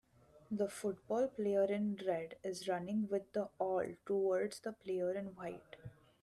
The football player in red is running with the all towards the player in white.